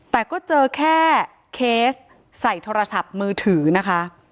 แต่ก็เจอแค่เคสใส่โทรศัพท์มือถือนะคะ